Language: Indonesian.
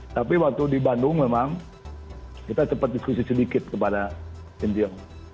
tapi waktu di bandung memang kita sempat diskusi sedikit kepada si tiong